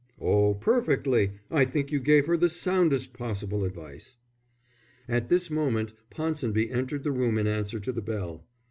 "Oh, perfectly! I think you gave her the soundest possible advice." At this moment Ponsonby entered the room in answer to the bell.